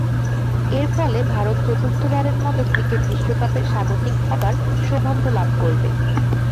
এর ফলে ভারত চতুর্থবারের মতো ক্রিকেট বিশ্বকাপের স্বাগতিক হবার সৌভাগ্য লাভ করবে।